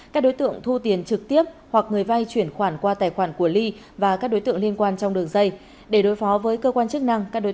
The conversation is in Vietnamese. các đối tượng thu tiền trực tiếp hoặc người vay chuyển khoản qua tài khoản của ly và các đối tượng liên quan trong đường dây